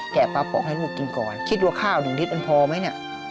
ปลาปองให้ลูกกินก่อนคิดว่าข้าวหนึ่งลิตรมันพอไหมเนี่ย